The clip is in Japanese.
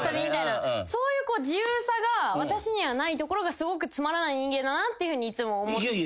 そういう自由さが私にはないところがすごくつまらない人間だなといつも思ってて。